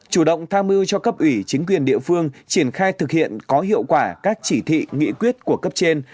chủ động tham mưu cho cấp ủy chính quyền địa phương triển khai thực hiện có hiệu quả các chỉ thị nghị quyết của cấp trên